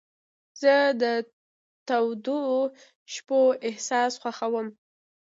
زه د تودو شپو احساس خوښوم.